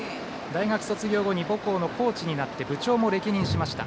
大学卒業後に母校のコーチになって部長も歴任しました。